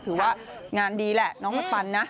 ถือว่างานดีแหละน้องมันปันนะ